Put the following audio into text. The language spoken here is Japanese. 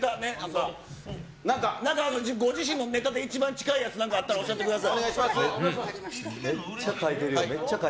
なんか、ご自身のネタで一番近いやつ、なんかあったら教えてください。